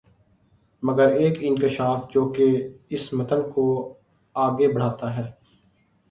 مگر ایک انکشاف جو کہ اس متن کو آگے بڑھاتا ہے